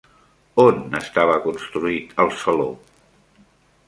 On estava construït el saló?